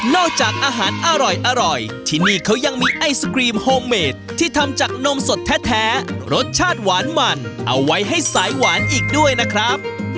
จากอาหารอร่อยที่นี่เขายังมีไอศกรีมโฮมเมดที่ทำจากนมสดแท้รสชาติหวานมันเอาไว้ให้สายหวานอีกด้วยนะครับ